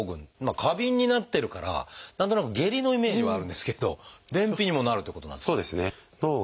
過敏になってるから何となく下痢のイメージはあるんですけど便秘にもなるってことなんですか？